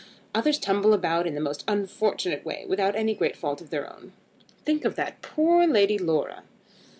Others tumble about in the most unfortunate way, without any great fault of their own. Think of that poor Lady Laura."